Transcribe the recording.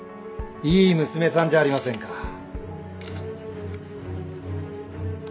いい娘さんじゃありませんか。